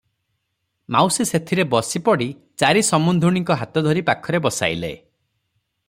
ମାଉସୀ ସେଥିରେ ବସିପଡ଼ି ଚାରି ସମୁନ୍ଧୁଣୀଙ୍କ ହାତଧରି ପାଖରେ ବସାଇଲେ ।